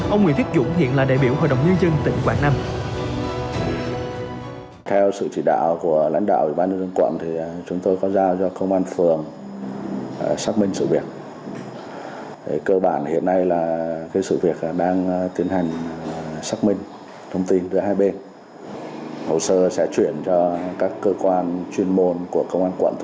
ông nguyễn viết dũng hiện là đại biểu hội đồng nhân dân tỉnh quảng nam